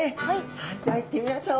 それでは行ってみましょう。